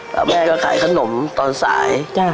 แล้วแม่ก็ขายขนมตอนสาย